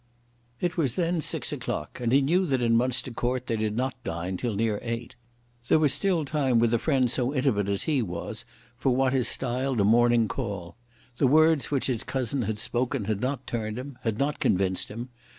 It was then six o'clock, and he knew that in Munster Court they did not dine till near eight. There was still time with a friend so intimate as he was for what is styled a morning call. The words which his cousin had spoken had not turned him, had not convinced him.